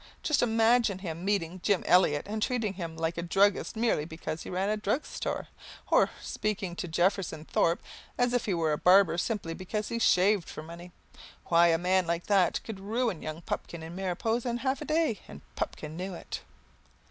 Just imagine him meeting Jim Eliot and treating him like a druggist merely because he ran a drug store! or speaking to Jefferson Thorpe as if he were a barber simply because he shaved for money! Why, a man like that could ruin young Pupkin in Mariposa in half a day, and Pupkin knew it.